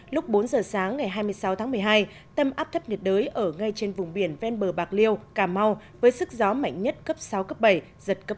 lúc bốn giờ sáng ngày hai mươi sáu tháng một mươi hai tâm áp thấp nhiệt đới ở ngay trên vùng biển ven bờ bạc liêu cà mau với sức gió mạnh nhất cấp sáu cấp bảy giật cấp tám